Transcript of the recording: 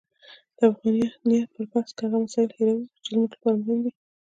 د افغانیت پر بحث کې هغه مسایل هیروو چې زموږ لپاره مهم دي.